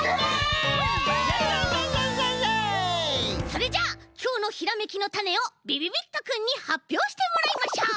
それじゃあきょうのひらめきのタネをびびびっとくんにはっぴょうしてもらいましょう。